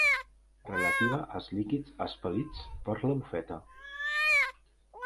Relativa als líquids expel·lits per la bufeta.